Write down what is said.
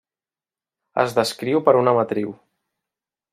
Es descriu per una matriu.